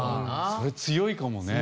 それ強いかもね。